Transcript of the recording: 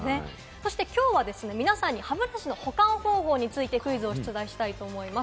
そして、きょうは皆さんに歯ブラシの保管方法についてクイズを出題したいと思います。